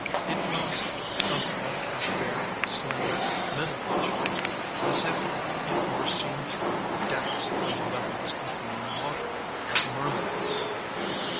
It was, of all her fair, slender, middle aged figure, as if it were seen through depths of levels of green water, like a mermaid s.